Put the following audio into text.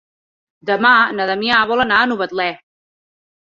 Demà na Damià vol anar a Novetlè.